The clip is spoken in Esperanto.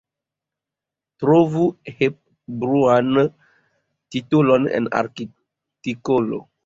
Trovu Hepburn-an titolon en artikolo.